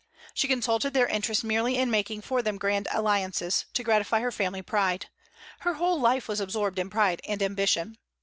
She consulted their interest merely in making for them grand alliances, to gratify her family pride. Her whole life was absorbed in pride and ambition.